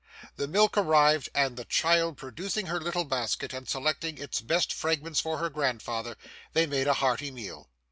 The milk arrived, and the child producing her little basket, and selecting its best fragments for her grandfather, they made a hearty meal.